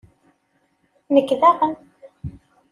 Nekk daɣen!